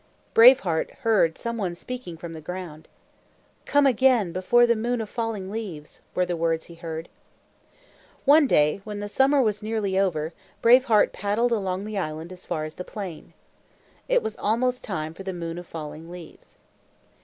Brave Heart heard some one speaking from the ground. "Come again, before the Moon of Falling Leaves," were the words he heard. One day, when the summer was nearly over, Brave Heart paddled his canoe along the island as far as the plain. It was almost time for the Moon of Falling Leaves.